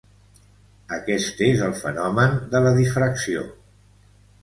Aquest és el fenomen de la difracció.